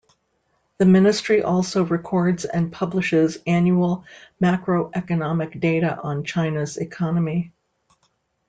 The ministry also records and publishes annual macroeconomic data on China's economy.